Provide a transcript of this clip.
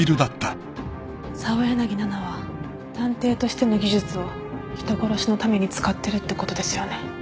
澤柳菜々は探偵としての技術を人殺しのために使ってるってことですよね？